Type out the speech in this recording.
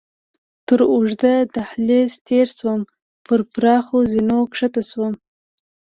تر اوږده دهلېز تېر شوم، پر پراخو زینو کښته شوم.